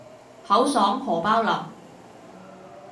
口爽荷包立